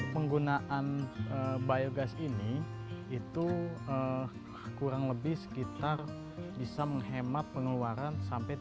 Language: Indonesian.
penggunaan biogas ini itu kurang lebih sekitar bisa menghemat penularan sampai tiga puluh